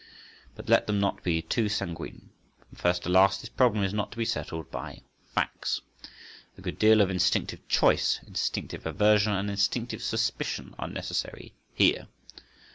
But let them not be too sanguine. From first to last this problem is not to be settled by "facts." A good deal of instinctive choice, instinctive aversion, and instinctive suspicion are necessary here.